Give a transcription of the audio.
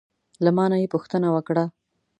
له ما نه یې پوښتنه وکړه: